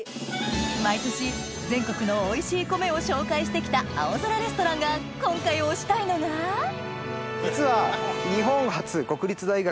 毎年全国のおいしい米を紹介してきた『青空レストラン』が今回推したいのが実は。